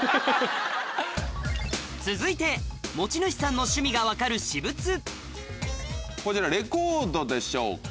続いて持ち主さんの趣味が分かる私物こちらレコードでしょうか。